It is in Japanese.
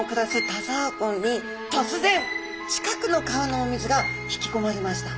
田沢湖に突然近くの川のお水が引きこまれました。